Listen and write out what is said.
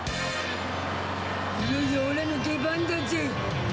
いよいよオラの出番だぜ！